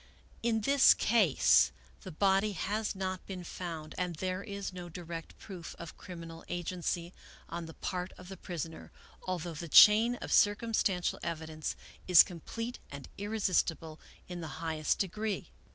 " In this case the body has not been found and there is no direct proof of criminal agency on the part of the pris oner, although the chain of circumstantial evidence is com plete and irresistible in the highest degree.